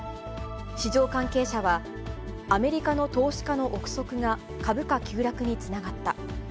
市場関係者は、アメリカの投資家の臆測が株価急落につながった。